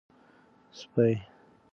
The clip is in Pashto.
سپۍ